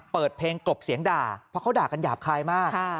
เปิดเพลงกลบเสียงด่าเพราะเขาด่ากันหยาบคายมาก